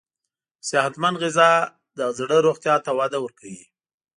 صحتمند غذا د زړه روغتیا ته وده ورکوي.